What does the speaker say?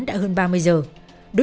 đã hơn ba mươi giờ